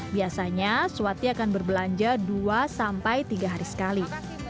biasanya suwati akan berbelanja dua sampai tiga hari sekali